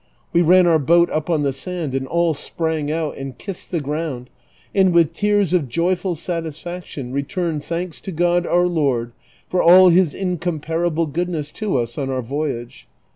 We ran oui boat up on the sand, and all sprang out and kissed the ground, and with tears of joyful satisfaction returned thanks to (Jod our J^ord for all his incomparable goodness to us on our voyage.